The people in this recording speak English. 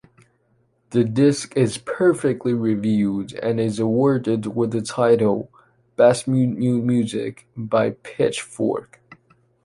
The disk is perfectly reviewed and is awarded with the title “Best New Music” by Pitchfork.